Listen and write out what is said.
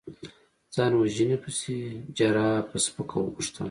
ځان وژنې پسې؟ جراح په سپکه وپوښتل.